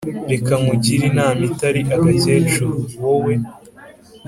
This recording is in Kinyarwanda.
reka nkugire inama itari agakecuru, wowe